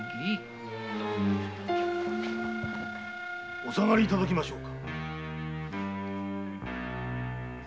お下がり頂きましょうか。